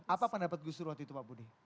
apa pendapat gus dur waktu itu pak budi